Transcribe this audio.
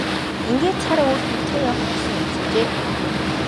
Ингээд сар үүрд нүцгэн явах болсон юмсанжээ.